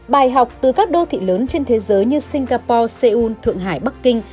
bài học từ các đô thị lớn trên thế giới như singapore seoul thượng hải bắc kinh